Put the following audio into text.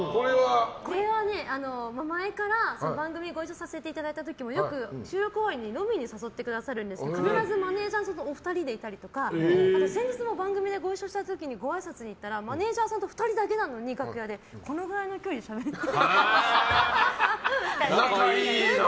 これは、前から番組ご一緒させていただいた時もよく収録終わりに飲みに誘ってくださるんですけど必ずマネジャーさんとお二人でいたりとか先日も番組でご一緒した時にごあいさつに行ったらマネジャーさんと２人だけなのに楽屋でこのくらいの距離でしゃべってて。